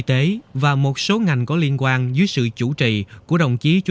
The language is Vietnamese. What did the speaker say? tao lấy xăng để chở